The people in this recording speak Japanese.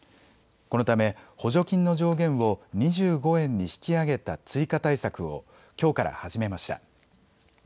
このため補助金の上限を２５円に引き上げた追加対策をきょうから始めました。